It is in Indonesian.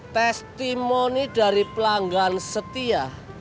testimoni dari pelanggan setia